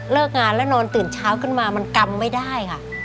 งานแล้วนอนตื่นเช้าขึ้นมามันกำไม่ได้ค่ะ